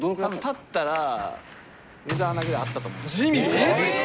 立ったら梅澤アナぐらいあったと思います。